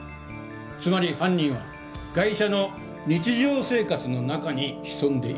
つまり犯人はガイシャの日常生活の中に潜んでいるという事だ。